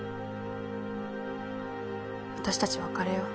私たち別れよう。